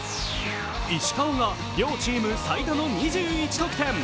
石川が両チーム最多の２１得点。